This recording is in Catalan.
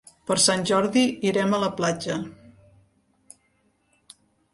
Per Sant Jordi irem a la platja.